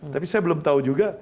tapi saya belum tahu juga